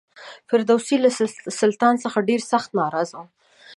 فردوسي له سلطان څخه ډېر سخت ناراض و.